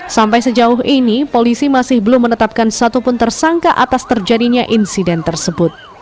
sampai sejauh ini polisi masih belum menetapkan satupun tersangka atas terjadinya insiden tersebut